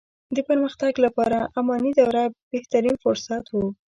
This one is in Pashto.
د پرمختګ لپاره اماني دوره بهترين فرصت وو.